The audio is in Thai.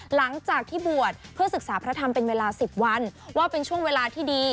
หลังจากที่บวชเพื่อศึกษาพระธรรมเป็นเวลา๑๐วันว่าเป็นช่วงเวลาที่ดี